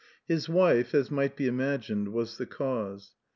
His wife, as might be imagined, was the cause.